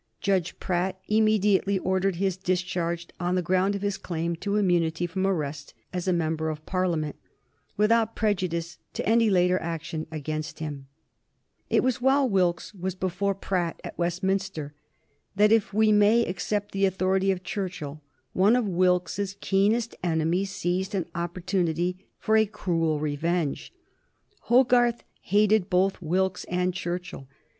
Judge Pratt immediately ordered his discharge on the ground of his claim to immunity from arrest as a member of Parliament, without prejudice to any later action against him. [Sidenote: 1763 Hogarth's caricature of Wilkes] It was while Wilkes was before Pratt at Westminster that, if we may accept the authority of Churchill, one of Wilkes's keenest enemies seized an opportunity for a cruel revenge. Hogarth hated both Wilkes and Churchill.